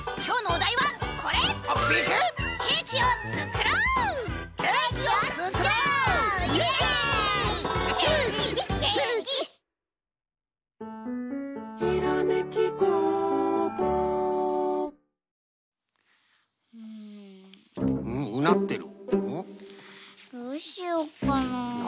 どうしよっかな。